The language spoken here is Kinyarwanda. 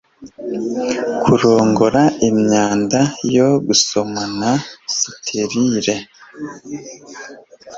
kurongora imyanda yo gusomana sterile